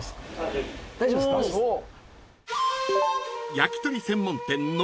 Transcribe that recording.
［焼き鳥専門店］